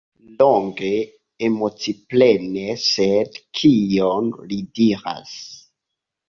Longe, emociplene, sed kion li diras?